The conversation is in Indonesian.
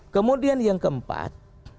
kemudian yang keempat